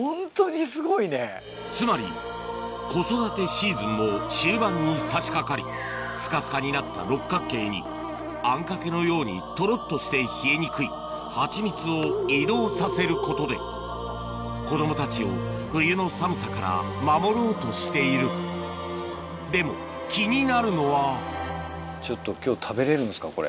つまり子育てシーズンも終盤に差しかかりスカスカになった六角形にあんかけのようにトロっとして冷えにくいハチミツを移動させることで子供たちを冬の寒さから守ろうとしているでも気になるのはこれ。